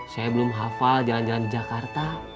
saya belum hafal jalan jalan di jakarta